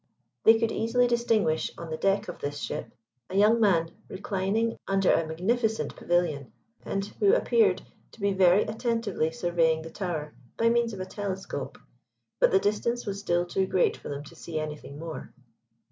They could easily distinguish on the deck of this ship a young man reclining under a magnificent pavilion, and who appeared to be very attentively surveying the Tower by means of a telescope; but the distance was still too great for them to see anything more.